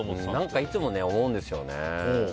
いつも思うんですよね。